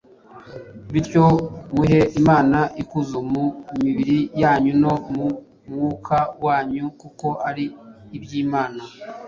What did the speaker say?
Bityo muhe Imana ikuzo mu mibiri yanyu no mu mwuka wanyu kuko ari iby’Imana.”